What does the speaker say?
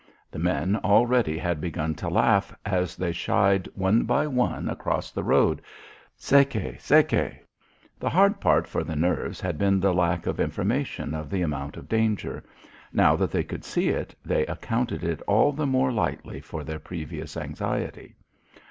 The men already had begun to laugh as they shied one by one across the road. "Segue! Segue!" The hard part for the nerves had been the lack of information of the amount of danger. Now that they could see it, they accounted it all the more lightly for their previous anxiety.